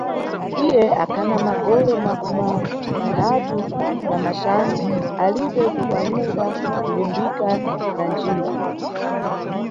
Iye akhana magole makumatanthatu na maxanu, alibe kukwanisa kulimbika na ndjinda.